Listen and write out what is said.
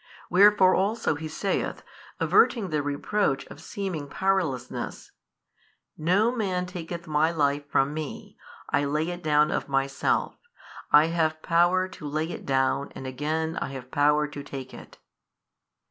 Wherefore also He saith, averting the reproach of seeming powerlessness, No man taketh My life from Me, I lay it down of Myself: I have power to lay it down, and again I have power to take it.